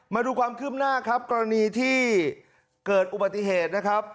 มาดูความคืบหน้าครับกรณีที่เกิดอุบัติเหตุนะครับ